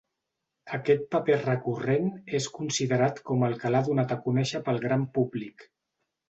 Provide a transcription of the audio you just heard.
Aquest paper recurrent és considerat com el que l'ha donat a conèixer pel gran públic.